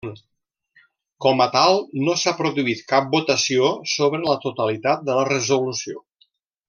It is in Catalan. Com a tal, no s'ha produït cap votació sobre la totalitat de la resolució.